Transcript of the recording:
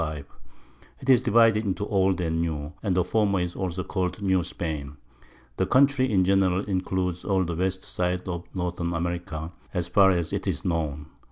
'Tis divided into Old and New, and the former is also called New Spain, The Country in general includes all the West Side of Northern America, as far as 'tis known.